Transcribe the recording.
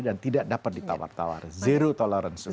tidak dapat ditawar tawar zero tolerance